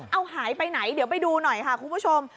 เอาหายไปไหนเดี๋ยวไปดูหน่อยค่ะคุณผู้ชม